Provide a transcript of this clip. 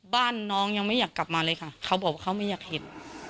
บ้านน้องยังไม่อยากกลับมาเลยค่ะเขาบอกว่าเขาไม่อยากเห็น